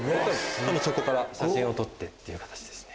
たぶんそこから写真を撮ってっていう形ですね。